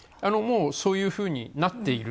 そういうふうになっている。